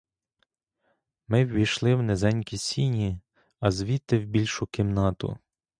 Ми ввійшли в низенькі сіні, а звідти в більшу кімнату.